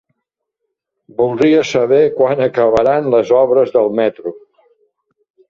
Voldria saber quan acabaran les obres del metro.